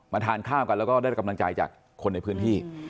ทานข้าวกันแล้วก็ได้กำลังใจจากคนในพื้นที่